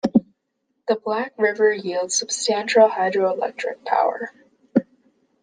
The Black River yields substantial hydroelectric power.